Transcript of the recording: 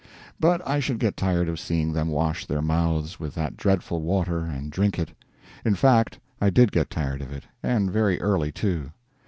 But I should get tired of seeing them wash their mouths with that dreadful water and drink it. In fact, I did get tired of it, and very early, too.